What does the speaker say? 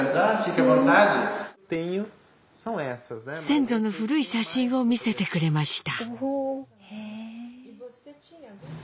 先祖の古い写真を見せてくれました。